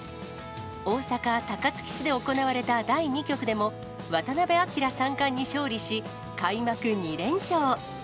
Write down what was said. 大阪・高槻市で行われた第２局でも、渡辺明三冠に勝利し、開幕２連勝。